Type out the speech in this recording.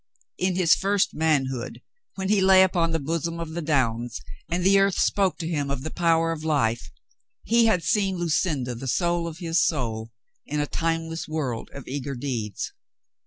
In his first manhood, when he lay upon the bosom of the downs and the earth spoke to him of the power of life, he had seen Lucinda the soul of his soul in a timeless world of eager deeds.